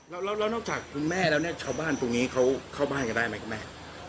แล้วนอกจากคุณแม่แล้วเนี่ยชาวบ้านตรงนี้เขาเข้าบ้านกันได้ไหมคุณแม่